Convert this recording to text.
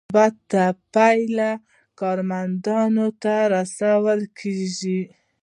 مثبته پایله یې کارمندانو ته رسول کیږي.